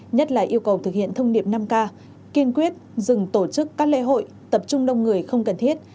nhất là yêu cầu thực hiện thông điệp năm k kiên quyết dừng tổ chức các lễ hội tập trung đông người không cần thiết